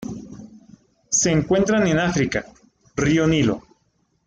Se encuentran en África: río Nilo.